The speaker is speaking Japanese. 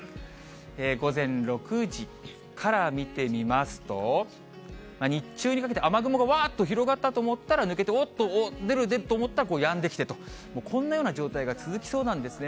午前６時から見てみますと、日中にかけて雨雲がわーっと広がったと思ったら抜けて、おっと出ると思ったらやんでと、こんなような状態が続きそうなんですね。